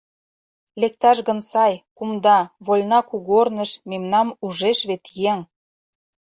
Лекташ гын сай, кумда, вольна кугорныш Мемнам ужеш вет еҥ.